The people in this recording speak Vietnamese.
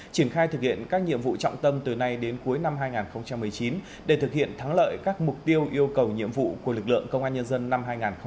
triển khai thực hiện các nhiệm vụ trọng tâm từ nay đến cuối năm hai nghìn một mươi chín để thực hiện thắng lợi các mục tiêu yêu cầu nhiệm vụ của lực lượng công an nhân dân năm hai nghìn hai mươi